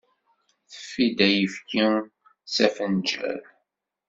Teffi-d ayefki s afenǧal.